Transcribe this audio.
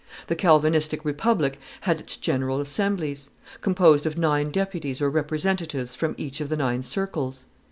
The Calvinistic republic had its general assemblies, composed of nine deputies or representatives from each of the nine circles.